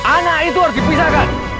anak itu harus dipisahkan